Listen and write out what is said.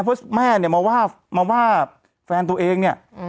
เพราะแม่เนี่ยมาว่ามาว่าแฟนตัวเองเนี่ย